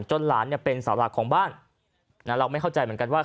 หลานเนี่ยเป็นเสาหลักของบ้านเราไม่เข้าใจเหมือนกันว่า